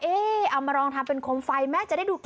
เอ๊ะเอามาลองทำเป็นโคมไฟมั้ยจะได้ดูเก๋